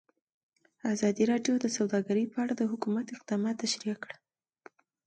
ازادي راډیو د سوداګري په اړه د حکومت اقدامات تشریح کړي.